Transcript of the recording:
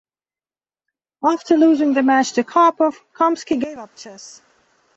After losing the match to Karpov, Kamsky gave up chess.